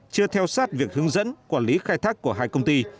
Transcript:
chưa theo sát việc hướng dẫn quản lý khai thác của hai công ty